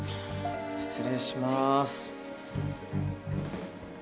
失礼します。